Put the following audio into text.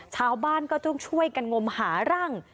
ชาวบ้านก็ต้องช่วยกันงมหาร่าง